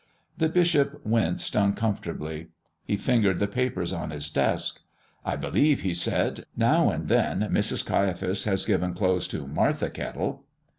The bishop winced uncomfortably. He fingered the papers on his desk. "I believe," he said, "now and then Mrs. Caiaphas has given clothes to Martha Kettle."